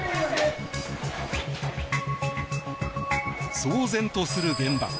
騒然とする現場。